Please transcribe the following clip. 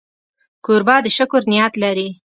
کوربه د شکر نیت لري.